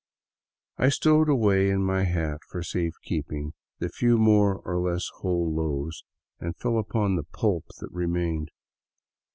I stowed away in my hat, for safe keeping, the few more or less whole loaves, and fell upon the pulp that remained.